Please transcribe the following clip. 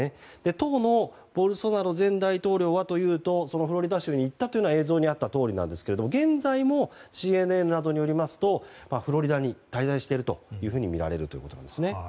当のボルソナロ前大統領はフロリダ州に行ったのは映像にあったとおりですが現在も、ＣＮＮなどによりますとフロリダに滞在しているとみられるということです。